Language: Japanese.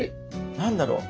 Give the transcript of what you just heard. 何だろう。